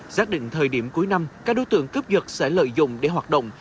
giác định thời điểm cuối năm các đối tượng cướp giật sẽ lợi dụng để hoạt động